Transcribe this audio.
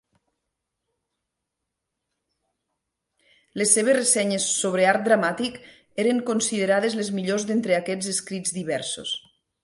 Les seves ressenyes sobre art dramàtic eren considerades les millors d'entre aquests escrits diversos.